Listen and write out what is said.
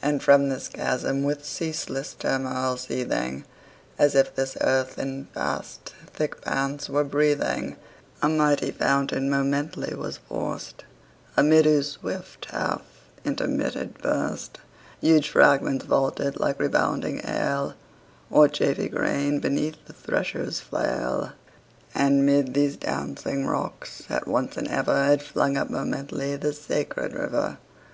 And from this chasm, with ceaseless turmoil seething, As if this earth in fast thick pants were breathing, A mighty fountain momently was forced; Amid whose swift half intermitted burst 20 Huge fragments vaulted like rebounding hail, Or chaffy grain beneath the thresher's flail: And 'mid these dancing rocks at once and ever It flung up momently the sacred river.